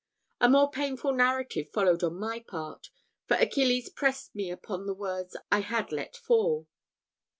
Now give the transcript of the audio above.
A more painful narrative followed on my part, for Achilles pressed me upon the words I had let fall.